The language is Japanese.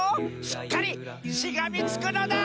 しっかりしがみつくのだ！